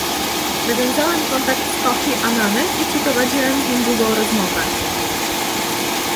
Nawiązałem kontakt z Kofi Annanem i przeprowadziłem z nim długą rozmowę